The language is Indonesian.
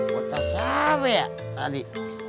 kota siapa ya tadi